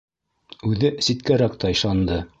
Үҙе ситкәрәк тайшанды.